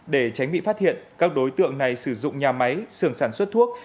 để tránh bị phát hiện các đối tượng này sử dụng nhà máy sườn sản xuất thuốc